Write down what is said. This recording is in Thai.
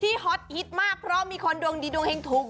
ฮอตฮิตมากเพราะมีคนดวงดีดวงเฮงถูก